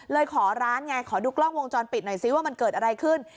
ขอร้านไงขอดูกล้องวงจรปิดหน่อยซิว่ามันเกิดอะไรขึ้น